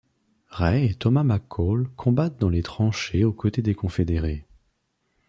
Ray et Thomas McCall combattent dans les tranchées aux côtés des Confédérés.